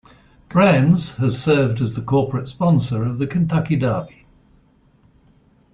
Brands has served as the corporate sponsor of the Kentucky Derby.